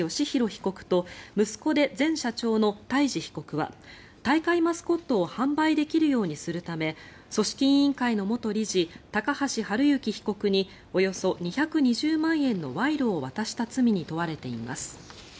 被告と息子で前社長の太嗣被告は大会マスコットを販売できるようにするため組織委員会の元理事高橋治之被告におよそ２２０万円の賄賂を渡した罪に問われています。